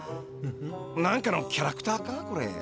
何かのキャラクターかこれ？